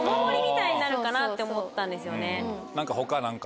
なるかなって思ったんですよね。